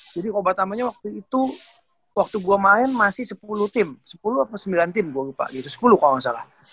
jadi kobat namanya waktu itu waktu gue main masih sepuluh tim sepuluh atau sembilan tim gue lupa gitu sepuluh kalau gak salah